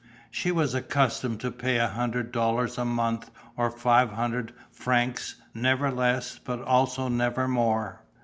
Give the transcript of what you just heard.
She was accustomed to pay a hundred dollars a month, or five hundred francs, never less, but also never more.